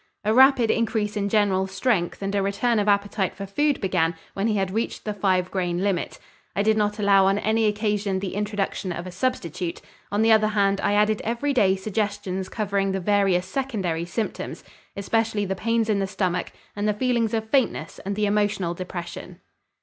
A rapid increase in general strength and a return of appetite for food began when he had reached the five grain limit. I did not allow on any occasion the introduction of a substitute. On the other hand, I added every day suggestions covering the various secondary symptoms, especially the pains in the stomach and the feelings of faintness and the emotional depression.